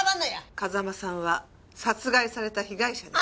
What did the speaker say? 風間さんは殺害された被害者です。